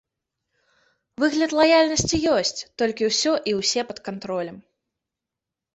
Выгляд лаяльнасці ёсць, толькі ўсё і ўсе пад кантролем.